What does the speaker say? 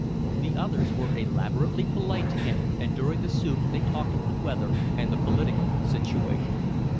The others were elaborately polite to him, and during the soup they talked of the weather and the political situation.